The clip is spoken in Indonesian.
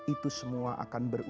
itu semua akan berlaku